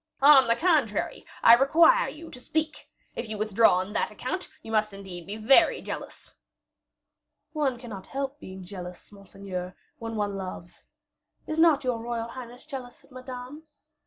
"On the contrary, I require you to speak. If you withdraw on that account, you must indeed be very jealous." "One cannot help being jealous, monseigneur, when one loves. Is not your royal highness jealous of Madame?